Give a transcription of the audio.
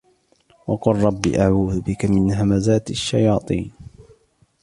وَقُلْ رَبِّ أَعُوذُ بِكَ مِنْ هَمَزَاتِ الشَّيَاطِينِ